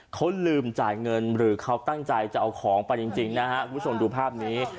เขาลืมจ่ายเงินหรือเขาตั้งใจจะเอาของไปจริงนะฮะคุณผู้ชมดูภาพนี้